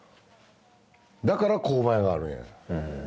だから勾配があるんや。